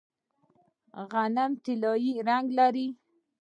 غنم طلایی رنګ لري.